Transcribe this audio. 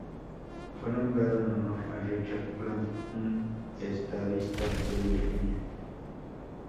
Fue nombrado en honor a Richard Bland, un estadista de Virginia.